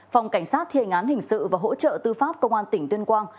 phòng cảnh sát thiên án hình sự và hỗ trợ tư pháp công an tỉnh tuyên quang